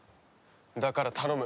だから頼む。